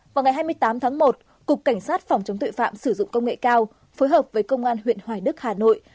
vào ngày hai mươi tám tháng một cục cảnh sát phòng chống tội phạm sử dụng công nghệ cao phối hợp với công an huyện hoài đức hà nội